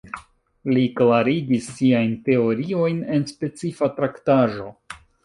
Li klarigis siajn teoriojn en specifa traktaĵo.